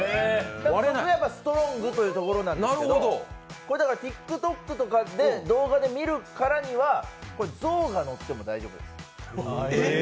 そこがストロングというところなんですけど、ＴｉｋＴｏｋとかの動画で見るからには、象が乗っても大丈夫。